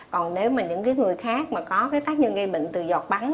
còn nếu mà những cái người khác mà có cái tác nhân gây bệnh từ giọt bắn